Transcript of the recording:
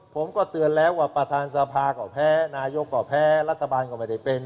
ผมก็เตือนแล้วว่าประธานสภาก็แพ้นายกก็แพ้รัฐบาลก็ไม่ได้เป็น